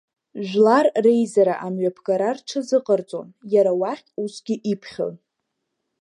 Жәлар реизара амҩаԥгара рҽазыҟа-рҵон, иара уахь усгьы иԥхьон.